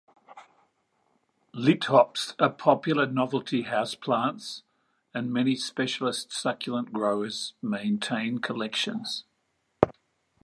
"Lithops" are popular novelty house plants and many specialist succulent growers maintain collections.